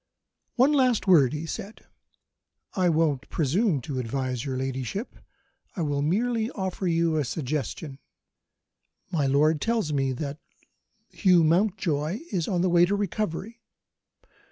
"One last word!" he said. "I won't presume to advise your ladyship; I will merely offer a suggestion. My lord tells me that Hugh Mountjoy is on the way to recovery.